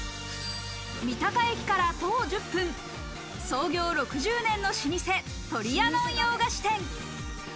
三鷹駅から徒歩１０分、創業６０年の老舗・トリアノン洋菓子店。